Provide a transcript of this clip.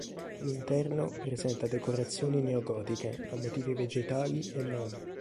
L'interno presenta decorazioni neogotiche a motivi vegetali e non.